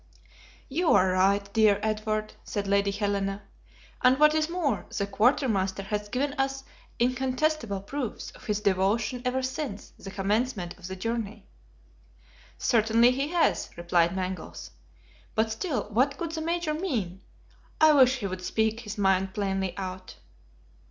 "You are right, dear Edward," said Lady Helena! "and what is more, the quartermaster has given us incontestable proofs of his devotion ever since the commencement of the journey." "Certainly he has," replied Mangles; "but still, what could the Major mean? I wish he would speak his mind plainly out."